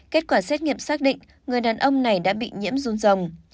kết quả xét nghiệm xác định người đàn ông này đã bị nhiễm run rồng